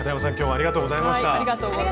ありがとうございます。